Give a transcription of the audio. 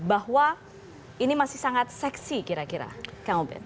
bahwa ini masih sangat seksi kira kira kang uben